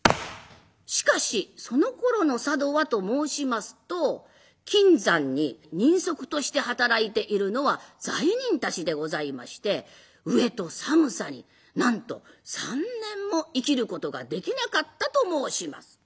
しかしそのころの佐渡はと申しますと金山に人足として働いているのは罪人たちでございまして飢えと寒さになんと３年も生きることができなかったと申します。